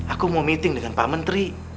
aku mau meeting dengan pak menteri